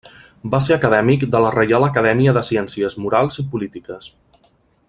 Va ser acadèmic de la Reial Acadèmia de Ciències Morals i Polítiques.